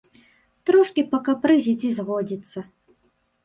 Трошкі пакапрызіць і згодзіцца!